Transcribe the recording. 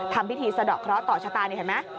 ทำพิธีสะดอกเคราะห์ต่อชะตานี่เห็นไหม